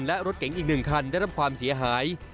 และรถเก๋งอีก๑คันได้รับความเสียหาย